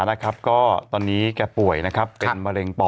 สีวิต้ากับคุณกรนิดหนึ่งดีกว่านะครับแฟนแห่เชียร์หลังเห็นภาพ